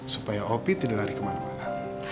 supaya opi tidak lari kemana mana